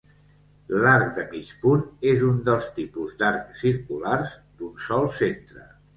L'arc de mig punt és un dels tipus d'arcs circulars d'un sol centre.